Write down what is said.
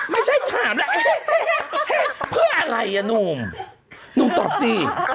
ไม่ใช่ถามแล้วเพื่ออะไรอ่ะหนุ่มหนุ่มตอบสิ